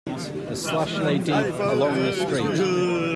The slush lay deep along the street.